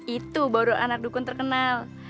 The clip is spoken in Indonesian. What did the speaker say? itu baru anak dukun terkenal